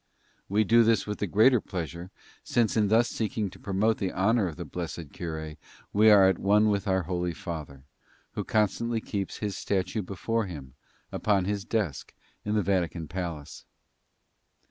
We do this with the greater pleasure, since in thus seeking to promote the honor of the blessed cure we are at one with our Holy Father, who constantly keeps his statue before him upon his desk in the Vatican palace.